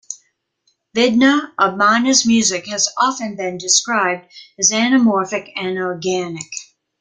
Vidna Obmana's music has often been described as anamorphic and organic.